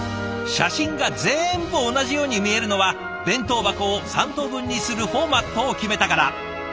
写真が全部同じように見えるのは弁当箱を３等分にするフォーマットを決めたから。